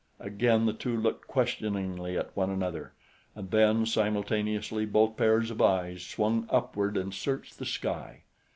Again the two looked questioningly at one another, and then, simultaneously, both pairs of eyes swung upward and searched the sky.